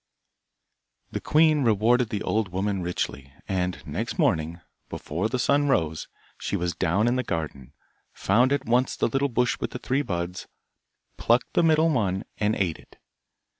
The queen rewarded the old woman richly, and next morning, before the sun rose, she was down in the garden, found at once the little bush with the three buds, plucked the middle one and ate it.